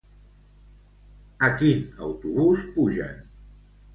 A quin autobús pugen?